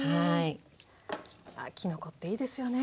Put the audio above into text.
あきのこっていいですよね。ね